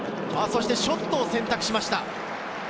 そしてショットを選択しました。